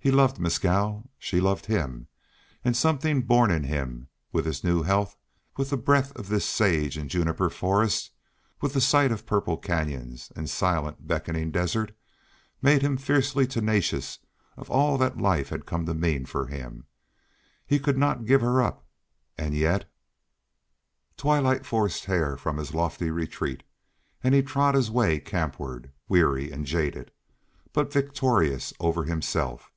He loved Mescal, she loved him; and something born in him with his new health, with the breath of this sage and juniper forest, with the sight of purple canyons and silent beckoning desert, made him fiercely tenacious of all that life had come to mean for him. He could not give her up and yet Twilight forced Hare from his lofty retreat, and he trod his way campward, weary and jaded, but victorious over himself.